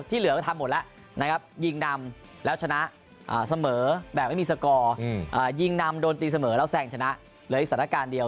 ที่เหลือก็ทำหมดแล้วยิงนำแล้วชนะเสมอแบบไม่มีสกอร์อยิงนำโดนตีเสมอแล้วแสบงเฉลย